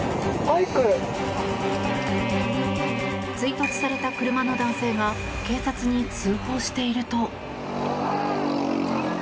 追突された車の男性が警察に通報していると。